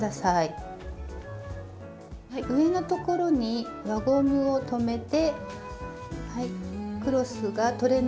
上のところに輪ゴムを留めてクロスが取れないように仮留めします。